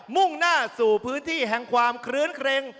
มุ่งหน้าสู่พื้นที่แห่งความคลื้นเครง